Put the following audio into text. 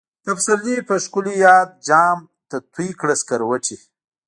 د پسرلی په شکلی یاد، جام ته تویی کړه سکروټی